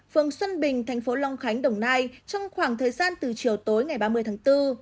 phường xuân bình thành phố long khánh đồng nai trong khoảng thời gian từ chiều tối ngày ba mươi tháng bốn